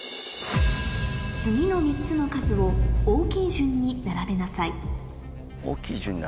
次の３つの数を大きい順に並べなさい。